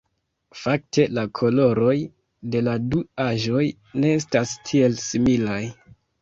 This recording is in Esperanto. Fakte la koloroj de la du aĵoj ne estas tiel similaj.